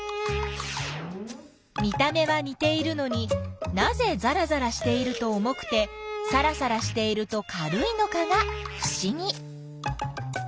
見た目はにているのになぜざらざらしていると重くてさらさらしていると軽いのかがふしぎ。